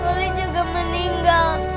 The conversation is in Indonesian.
noli juga meninggal